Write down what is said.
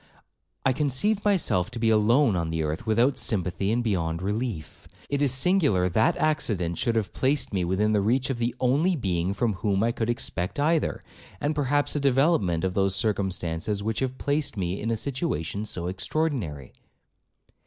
I conceived myself to be alone on the earth, without sympathy and beyond relief. It is singular that accident should have placed me within the reach of the only being from whom I could expect either, and perhaps a development of those circumstances which have placed me in a situation so extraordinary.'